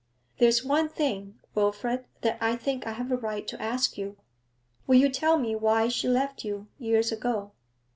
'There is one thing, Wilfrid, that I think I have a right to ask you. Will you tell me why she left you, years ago?'